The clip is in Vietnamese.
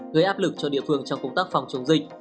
gây áp lực cho địa phương trong công tác phòng chống dịch